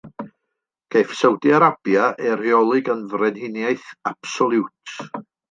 Caiff Saudi Arabia ei rheoli gan frenhiniaeth absoliwt.